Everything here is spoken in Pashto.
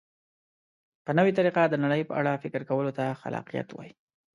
په نوې طریقه د نړۍ په اړه فکر کولو ته خلاقیت وایي.